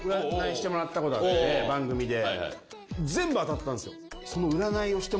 番組で。